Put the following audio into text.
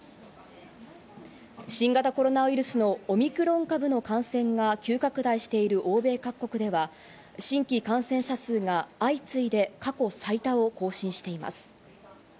新型コロナウイルスのオミクロン株の感染が急拡大している欧米各国では、新規感染者数が相次いで過去最多を更新しています。